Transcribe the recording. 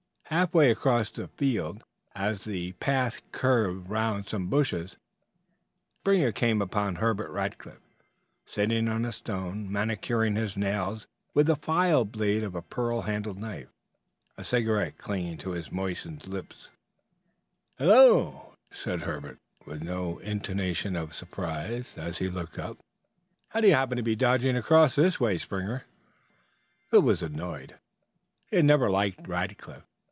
Halfway across the field, as the path curved round some bushes, Springer came upon Herbert Rackliff, sitting on a stone, manicuring his nails with the file blade of a pearl handled knife, a cigarette clinging to his moistened lower lip. "Hello," said Herbert, with no intonation of surprise, as he looked up. "How do you happen to be dodging across this way, Springer?" Phil was annoyed. He had never liked Rackliff.